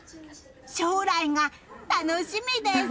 将来が楽しみです！